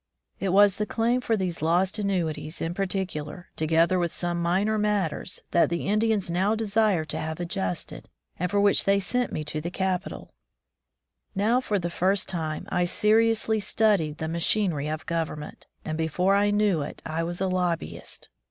It was the claim for these lost annuities, in particular, together with some minor matters, that the Indians now desired to have adjusted, and for which they sent me to the capital. 154 At the Nation's Capital Now for the first time I seriously studied the machinery of government, and before I knew it, I was a lobbyist.